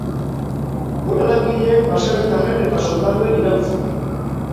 Gora langileen, baserritarren eta soldaduen iraultza!